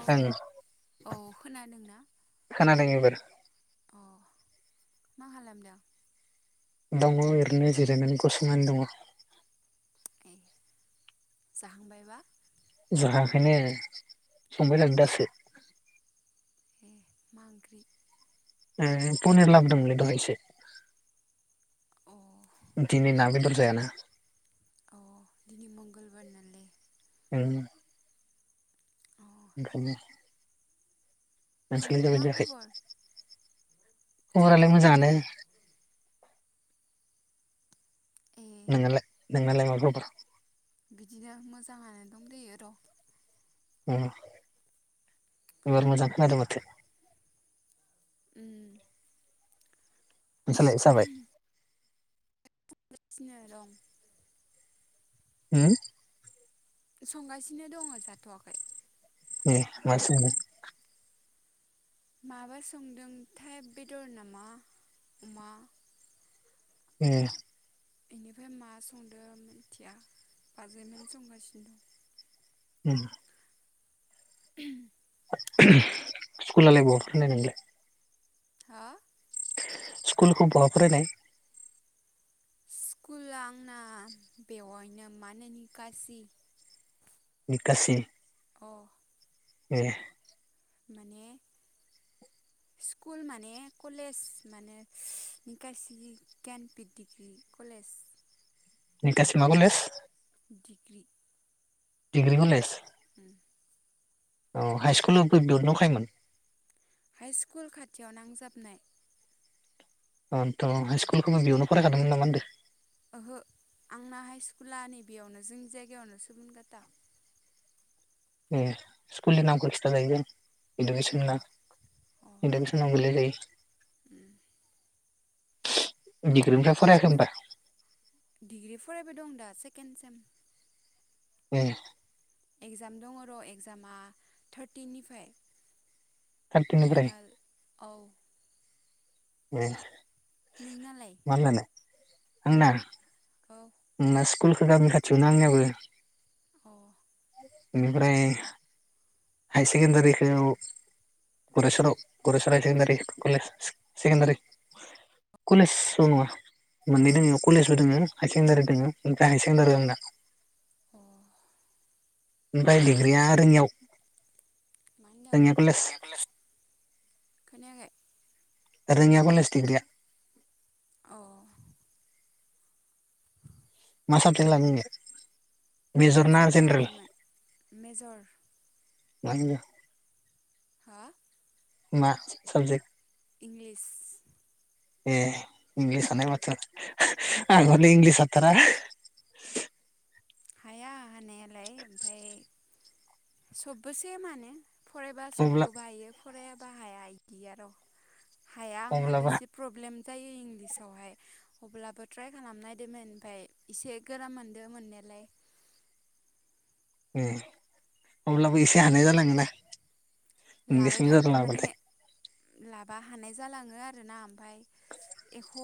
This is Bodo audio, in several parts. औ ओं औ खोनादोंना खोनादों एबार अ मा खालामदों? दङ ओरैनो जिरायनानै गसंनानै दङ। ए जाखांबायबा। जाखांयाखैनो संबाय थादों दासो। ए मा ओंख्रि? ए पनेर लाबोदोंमोनलै दहाय एसे। अ। दिनै ना बेदर जायाना। अ दिनै मंगलबार नालाय। उम अ ओंखायनो नोंसालाय मा जाबायना जायाखै खबर खबरालाय जाथ'वाखैनो मोजाङानो। ए नोनालाय नोनालाय मा खबर? बिदिनो मोजाङानो दंदयो र अ एबार मोजां खोनादो माथो। उम नोंसालाय जाबाय? [unintelligible] होम संगासिनो दङ जाथ'वाखै। ए मा संदो? माबा संदों थाइ बेदर नामा अमा? ए इनिफ्राय मा संदो मिथिया बाजैमोन संगासिनो द। उम [inaudible] स्कुलालाय बहा फरायनाय नोंलाय? हा स्कुलखौ बहा फरायनाय स्कुला आंना बेवहायनो मा होनो निकासि निकासि अ ए माने स्कुल माने कलेज मानो निकासिनि गियानपिट डिग्रि कलेज। निकासि मा कलेज? डिग्रि दिग्रि कलेज औ हाइस्कुलावबो बियावनो दंखायोमोन। हाइ स्कुल खाथियाव नांजाबनाय अन्थ हाइ स्कुलखौ नों बेयावनो फरायखादोंमोन नामा होनदो? ओहो आंना हाइ स्कुला नै बेयावनो जोंनि जायगायावनो सबनकाता। ए स्कुलनि नामखो खिथा जायो गोन अ इडुकेसन ना इडुकेसनाव गोलै जायो। उम [unintelligible] निफ्राय फरायाखै नों होमबा? डिग्रि फरायबाय दं दा सेकेण्ड सेम औ इगजाम दङ र' इगजामा थारटिनिफ्राय। थार्टिनिफ्राय फाइनाल औ ए नोंनालाय? मा होनलाय आंना औ ना स्कुलखो गामि खाथियावनो आंनियाबो। औ बेनिफ्राय हाय सेकेणडारिखौ गरायस्वराव गरास्वर सेकेणडारि कलेज सेकेणडारि कलेज नङा मोननै दङ अ कलेजबो दङ सेखेनडारि दोङो ओमफाय हाय सेकेण्डारि दं दा अ ओमफ्राय डिग्रिया रोङियाव मा रोङिया कलेज होनदों खोनायाखै रोङिया कलेज डिग्री आ औ मा साबजेक लादीं नींलाइ मेजर लादोंमोन मेजर मा मेजर? हा मा साबजेक्ट? इंलिस ए इंलिस हानाय बाथ आं हले इंलिस हाथारा हाया हानाया लाय ओमफ्राय सबबो सेमानो फरायबा अब्ला सबखौबी हायो फरायाब बाहाया बिदि आर हाया आंनाबो अब्लाबा एसे प्रब्लेम जायो इंलिसावहाय अब्लाबो ट्राय खालाम नायदोंमोन ओमफ्राय एसे गोरान मोनदों मोननायालाय उम अब्लाबो एसे हानाय जालाङोना इंगलिस लाबाय था मेजर माने लाबाथाय लाबा हानाय जालाङो आरोना ओमफ्राय एख ख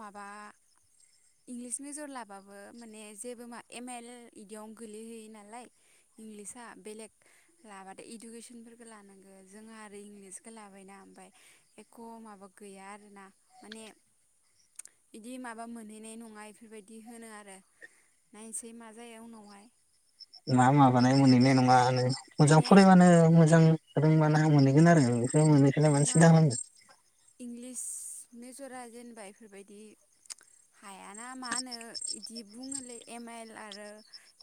माबा इंलिस मेजर लाबाबो माने जेबो मा एम एल बिदियावनो गोलैहैयो नालाय इंलिसआ बेलेग लाबाथाय इडुकेसनख लानांग जोंहा आरो इंलिसखौ लाबायना ओमफ्राय एख माबा गैया आरोना माने बिदि माबा मोनहैनाय नङा बेफोरबायदि होनो आरो नायसै मा जायो उनावहाय मा माबानाय मोनहैनाय नङा? मोजां माने फरायबानो मोजां रोंबानोहा मोनहैगोन आरो नोंबो [unintelligible] मानो नङा सिनथा खालामदों। इंलिस मेजरा जेनबा इफोरबायदि हायाना मा होनो इदि बुङोलै एम आइल आरो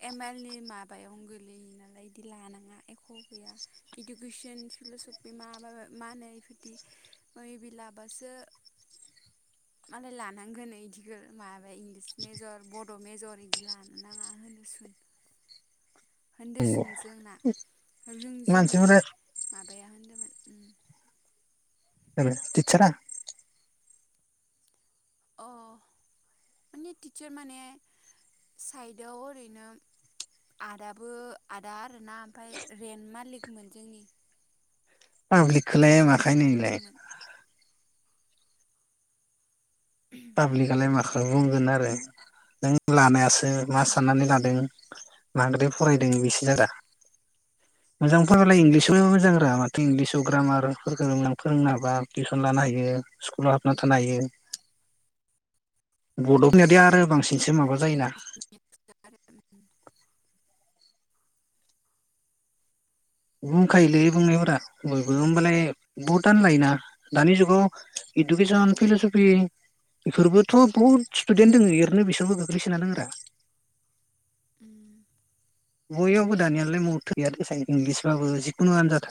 एम आइल नि माबायाव गोलैयो नालाय इदि लानाङा एख गैया इदुकेसन फिलसफि माबाब मा होनो इफोरदि ओय बे लाबासो मालाय लानांगोन ओयदिखो माबाया इंलिस मेजर बड मेजर बिदि लानो नाङा होनो सुन। होन्दो नंगौ सुन जोंना। रोंजोनि मानसिफोरा माबाया होनदो। सोरो थिटसारा। अ माने थिटचार माने साइदआव ओरैनो आदाबो आदा आरोना ओमफाय रेन्ट मालिकमोन जोंनि। पाब्लिकखोलाय रुमनि माखाय नो इलाय। मालिकमोन पाब्लिकआलाय माखौ बुंगोन आरो नों लानायास सो मा उम साननानै लादों। मांद्राय फरायदों बिसिनि दा मोजां फारबालाय उम इंलिसावबो मोज रा माथ इंलिसाव ग्रामारफोरखो फोरोंनो हाबा टिउसन लानो हायो स्कुलाव हाबना थानो हायो। बड'फ नियादो आरो बांसिनसो माबा जायोना। बुंखायोलै बुंनायफोरा बयबो होमबालाय बहुदानो लायोना दानि जुगाव इदुकेसन ओं फलसफि बेफोरबोथ' बुहुत स्टुडेन्ट दोङो एरनो बिसोरबो गोग्लैसोना दोंङो रा। उम। बयावबो दानियालाय महद थैया थो इंलिसबाबो जिखुनुआनो नजाद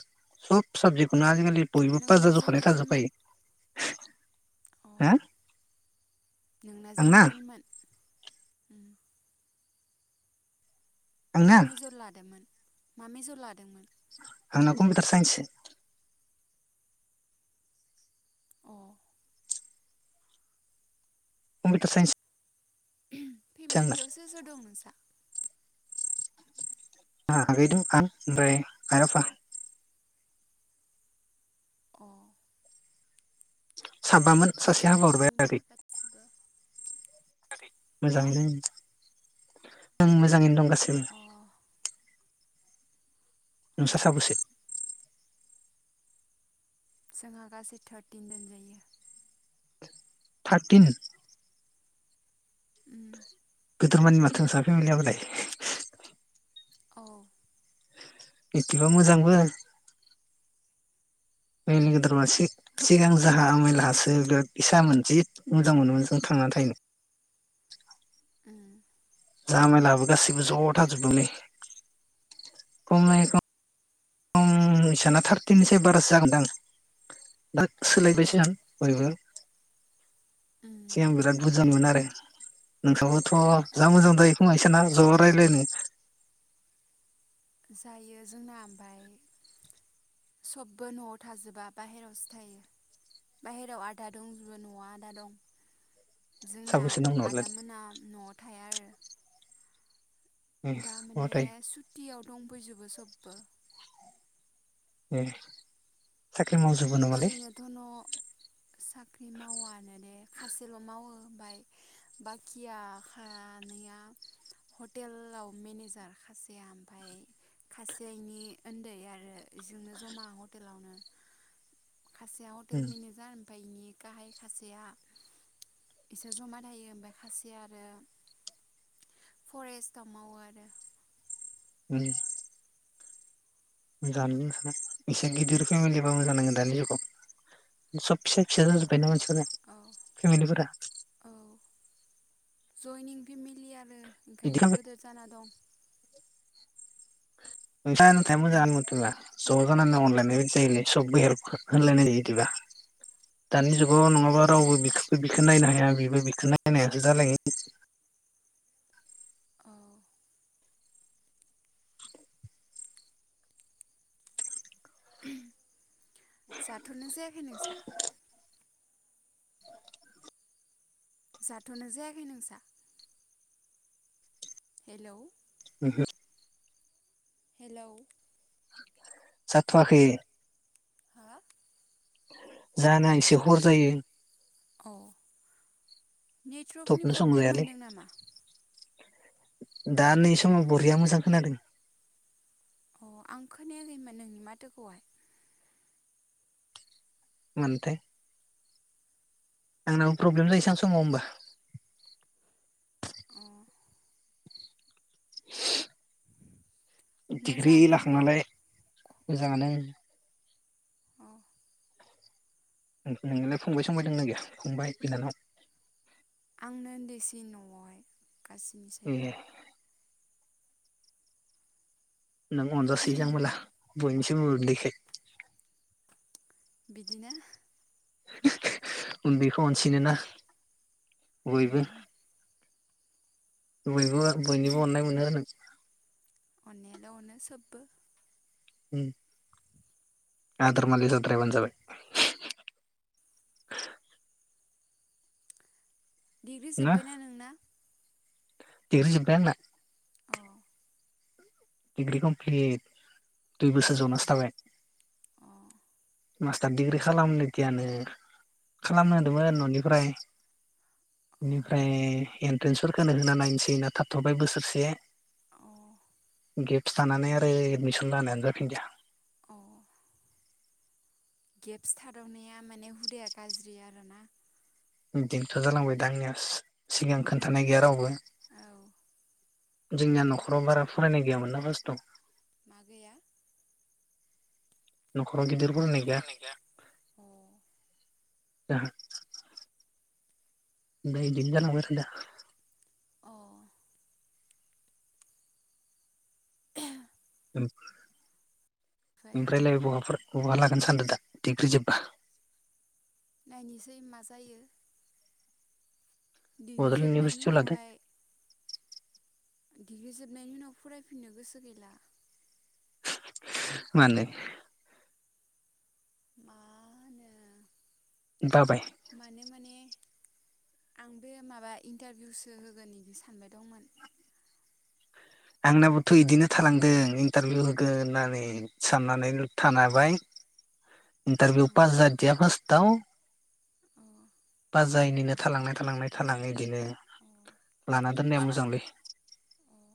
सब साबजेक्टखौनो आजिखालि बयबो नोंना पाजाजखानाय थाजोब जेनेरेलमोन फायो। अ नोंना आंना जेनेरेलमोन। उम। आंना ना मेजर लादोमोन? मा मेजर लादोंमोन? आंना कम्पिउटार साइन्ससो। अ। अमफिटार साइन्स। आंना फेमिलियावसो सो दं नोंसा? आ आगैदोंं आ ओमफ्राय आय आफा। अ। साबबामोन ससेया हाबा मोजाङानो हरबाय दंना आगै। गासिबो हा मोजांङैनो। ओं मोजाङैनो दं। गासैबो। अ अ नोंसा साबोसे? जोंहा गासै थारटिन जोनजायो। थारटिन? उम। गोदोर मानि माथो नोंसा ओमबालाय। औ। बिदिबा मोजांबो। नोंनि उम गोदोर मासि। सिगां जाहा आमायलाहासो बिराद बिसामोन जि मोजां मोनोमोन जों थांनानै थाहैनो। उम जाहा आमायलाहाबो गासिबो ज' थाजोबो मोनलै [unintelligible] ओम इसाना थारतिनसाय बारासो जागोनदां। दा उम सोलायबायसै आं बयबो उम सिगां बिराट बुरजामोन आरो। नोंसाबो थ' औ जा मोजां जायोखोमा ज' रायलायनो जायो जोंना ओमफाय सबबो न'आव थाजोबा बाहेरावसो थायो बाहेरायाव आथा दंजोबो न'आव आथा दं। जोंना साबैसे दं नोंनावलाय आदामोना न'आव थाया आरो। ए बहा दामाने थायो सुटियाव दंफैजोबो सब। बो ए साख ख्रि मावजोबो नामालै? ओरैनोथ' न' साख्रि मावानो दे खासेल' मावो। ओमफाय बाखिया खानैया हटेलाव मेनेजार खासेया ओमफाय खासेया इनि ओन्दै आरो बेजोंनो जमा हटेलावनो। खासिया हटेल उम मेनेजार ओमफाय इनि गाहाय खासेया इसोर जमा थायो ओमफाय खासेया आरो फरेस्टआव मावो आरो। उम मोजाङानो नोंसा एसे गिदिर फेमिलिबा मोजां नांङो दानि जुगाव सब फिसा फिसा जाजोबबायना मानसिफोरा औ फेमिलिफोरा औ जयनिं फेमिलि आरो बिदि ओंखायनो खालाम गोदोर जाना दं। नोंथां नोंथाङा उम मोजांङानो [unintelligible] ज' जानानै अनलायनाय बायदि जायोलै सबबो हेलब होनलायनाय जायो बिदिबा दानि जुग - [unintelligible] नङाबा औ रावबो बिखोबो बिखो नायनो हाय बेबा बेबो बिखो नायनोहालायासो जालायो औ [inaudible] जाथनो जायाखै नोंसा? जाथ'नो जायाखै नोंसा? हेलौ। ओहो। हेलौ। जाथ'वाखै हा? जाहाना एसे हर जायो। औ। नेटवर्कनि थबनो प्रब्लेम संजायालै मोनदों नामा? दा नै समाव बरिया मोजां खोनादों। अ आं खोनायाखैमोन नोंनि माथोखौहाय। मोनथाय आंनाबो प्रब्लेम जायो उम सान समाव होमबा। अ [inaudible] दिग्रि मोजाङानो दंबा लाखांनालाय मोजाङानो अ नोंनालाय फंबाय संबाय दंना गैया? फंबाय बिनानाव। आंनो ओनदैसिन न'आवहाय। ए गासिनिसायबो नों अनजासोयोदां ओमबाला। बयनिसायबो उरलैखाय। बिदिनो। [unintelligible] उनदैखौ अनसिनोना। उम बयबो। बयबो बयनिबो अननाय मोनो आरो। अननायालाय अनो सोबबो। उम। आदर मालि जाद्रायाबानो जाबाय। [inaudible] डिग्रि ना जोब्बायना नोंना? डिग्रि जोबबाय आंना। अ डिग्रि कमप्लिट। दुइ बोसोर अ जनासो थाबाय। औ [inaudible] मास्टार दिडिग्रि खालामनोदियानो खालामनो होनदोंमोन न'निफ्राय बेनिफ्राय एन्ट्रेन्सफोरखौ होना नायनोसै होनना थाथ'बाय बोसोरसे। औ। गेप्स थानानै आरो एडमिसन लानायानो जाफिनदिया। गेप थादावनाया माने हुदाया गाज्रि आरोना। इदिनोथ' जालांबाय दा आंनिया सि-सिगां खोन्थानाय गैया रावबो। औ जोंनिया नखराव बारा फरायनाय गैयामोनना फासथाव मा गैया? नख र गिदिर फरायनाय गैया अ ओहो दा इदिनो जालांबाय [unintelligible] अ उम ओमफ्रायलाय बहाफोर बहा लागोन सान्द दा डिग्रि जोब्बा? नायनोसै मा जायो डिग्रि बड'लेण्ड जोबनायनि इउनिभारसिटियाव लादों उनावहाय डिग्रि जोबनायनि उनाव फरायफिननो गोसो गैला मानो मा होनो बाबाय माने माने आं बे माबा इन्टारभिउसो होगोन बिदि सानबाय दंमोन आंनाबोथ' बिदिनो थालांदों इन्टारभिउ होगोन होननानै साननानै थान हाबाय इन्टारभिउ अ पास ज जादों ज फ दाउ अ जायनिनो थालांनाय थालांनाय थालांनाय बिदिनो अ लाना दोननाया मोजांलै अ